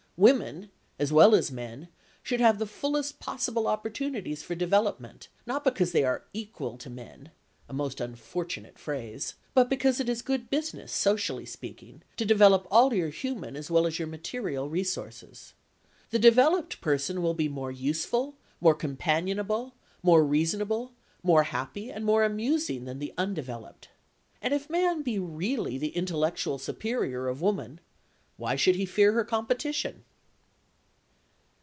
Women, as well as men, should have the fullest possible opportunities for development, not because they are "equal" to men (a most unfortunate phrase), but because it is good business, socially speaking, to develop all your human as well as your material resources. The developed person will be more useful, more companionable, more reasonable, more happy and more amusing than the undeveloped. And if man be really the intellectual superior of woman, why should he fear her competition?